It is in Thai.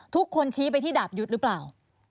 ทุกคนชี้ไปที่ดาบยุทธหรือเปล่า